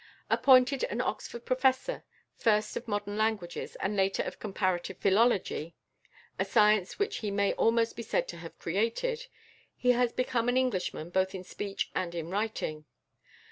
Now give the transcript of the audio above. Appointed an Oxford professor, first of modern languages and later of comparative philology, a science which he may almost be said to have created, he has become an Englishman both in speech and in writing.